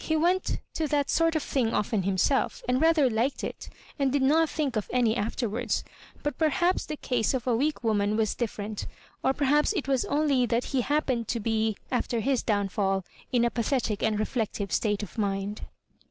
He went to that sort of thing often himselC and rather liked it, and did not think of any afterwards ; but perhaps the case of a weak woman was different, or perhaps it was only that he happened to be after his downfall in a pathetic and reflective state of mind.